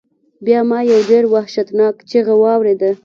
بیا ما یو ډیر وحشتناک چیغہ واوریده.